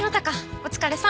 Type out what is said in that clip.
お疲れさん。